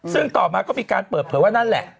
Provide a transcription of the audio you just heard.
ซึ่งต่อมาก็มีการเปิดเผยว่านั่นแหละ